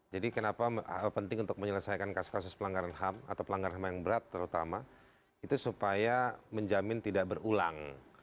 kenapa penting untuk menyelesaikan kasus kasus pelanggaran ham atau pelanggaran ham yang berat terutama itu supaya menjamin tidak berulang